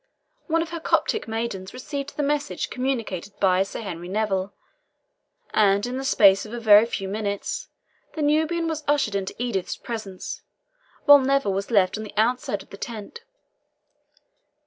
One of her Coptic maidens received the message communicated by Sir Henry Neville, and in the space of a very few minutes the Nubian was ushered into Edith's presence, while Neville was left on the outside of the tent.